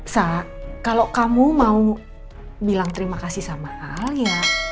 saat kalau kamu mau bilang terima kasih sama al ya